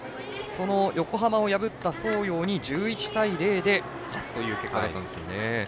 横浜を破った相洋に１１対０で勝つという結果だったんです。